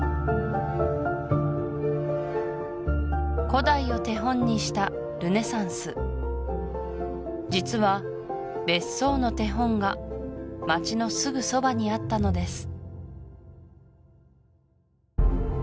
古代を手本にしたルネサンス実は別荘の手本が街のすぐそばにあったのです